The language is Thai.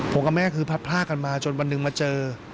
ผมกับแม่คือพัดพลากกันมาจนวันหนึ่งมาเจอ